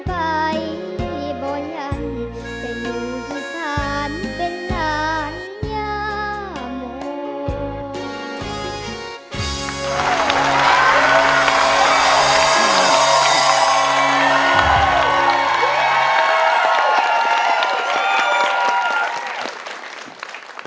แค่ประจำโม